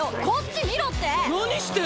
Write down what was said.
こっち見ろって！